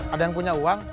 ada yang punya uang